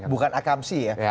bukan akamsi ya